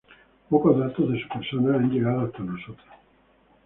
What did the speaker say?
Pocos datos de su persona han llegado hasta nosotros.